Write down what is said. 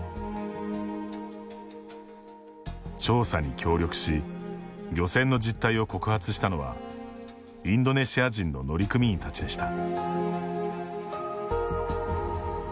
調査に協力し漁船の実態を告発したのはインドネシア人の乗組員たちでした。